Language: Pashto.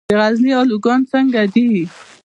د غزني الوګان څنګه دي؟